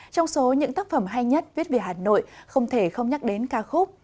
trong số những tác phẩm hay nhất viết về hà nội không thể không nhắc đến ca khúc